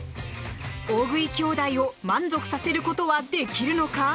大食い兄弟を満足させることはできるのか。